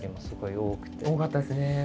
多かったですねえ。